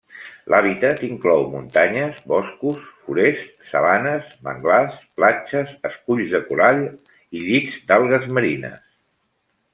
L'hàbitat inclou muntanyes, boscos, forests, sabanes, manglars, platges, esculls de coral i llits d'algues marines.